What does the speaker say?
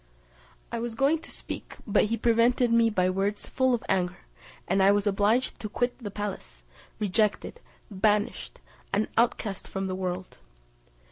I was going to speak, but he prevented me by words full of anger; and I was obliged to quit the palace, rejected, banished, an outcast from the world.